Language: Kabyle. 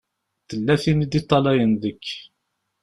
Tella tin i d-iṭṭalayen deg-k.